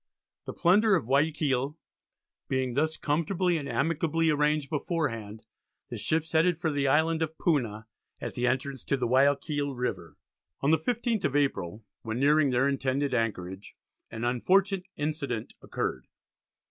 The plunder of Guiaquil being thus comfortably and amicably arranged beforehand, the ships headed for the Island of Puna, at the entrance to Guiaquil River. On the 15th of April, when nearing their intended anchorage, an unfortunate incident occurred.